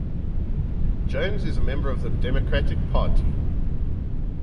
Jones is a member of the Democratic Party.